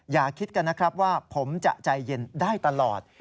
อย่าคิดกันนะครับว่าผมจะใจเย็นได้ตลอด